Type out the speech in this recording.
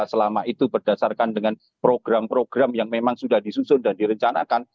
selama itu berdasarkan dengan program program yang memang sudah disusun dan direncanakan